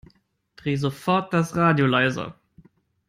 Dreh sofort das Radio leiser